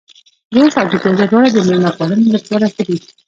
روش او دوپيازه دواړه د مېلمه پالنې لپاره ښه دي.